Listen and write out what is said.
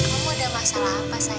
kamu ada masalah apa saja